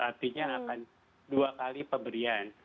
artinya akan dua kali pemberian